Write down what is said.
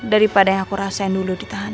daripada yang aku rasain dulu di tahanan